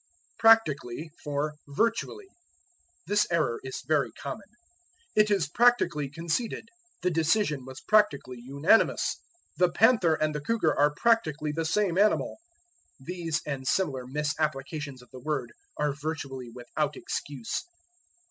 Practically for Virtually. This error is very common. "It is practically conceded." "The decision was practically unanimous." "The panther and the cougar are practically the same animal." These and similar misapplications of the word are virtually without excuse.